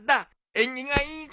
縁起がいいぞ。